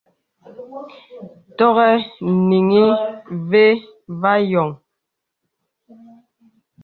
Tɔŋì nìŋì və̄ və a yɔ̄ŋ.